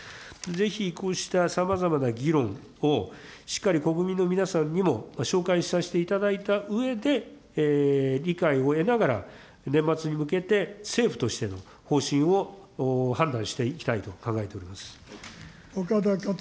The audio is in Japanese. ぜひ、こうしたさまざまな議論をしっかり国民の皆さんにも紹介させていただいたうえで、理解を得ながら、年末に向けて政府としての方針を判断していきたいと考えております。